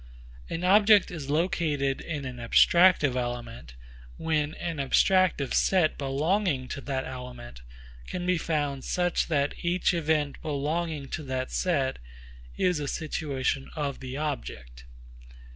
An object is located in an abstractive element, when an abstractive set belonging to that element can be found such that each event belonging to that set is a situation of the object.